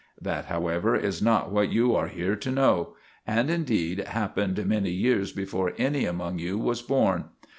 That, however, is not what you are here to know, and, indeed, happened many years before any among you was born.